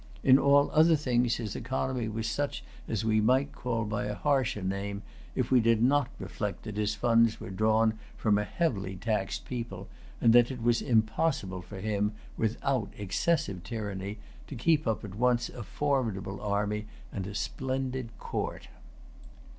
In all other things his economy was such as we might call by a harsher name, if we did not reflect that his funds were drawn from a heavily taxed people, and that it was impossible for him, without excessive tyranny, to keep up at once a formidable army and a splendid court.